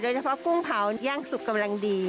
เฉพาะกุ้งเผาย่างสุกกำลังดี